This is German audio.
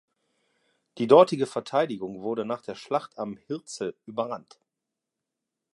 Die dortige Verteidigung wurde nach der Schlacht am Hirzel überrannt.